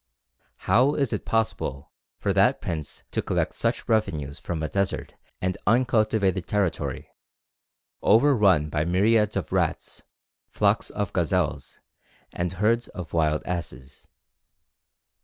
How is it possible for that prince to collect such revenues from a desert and uncultivated territory, overrun by myriads of rats, flocks of gazelles, and herds of wild asses?